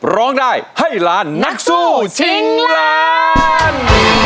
ร้องได้ให้ล้านนักสู้ชิงล้าน